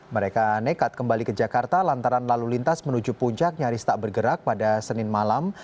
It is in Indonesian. mereka nekat kembali ke jakarta lantaran lalu lintas menuju puncak nyaris tak bergerak pada senin malam